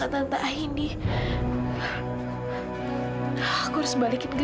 kamu tidak bohong